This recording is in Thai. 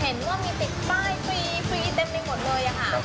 เห็นว่ามีติดป้ายฟรีเต็มไปหมดเลยค่ะ